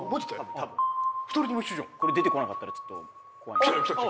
たぶんこれ出てこなかったらちょっと怖い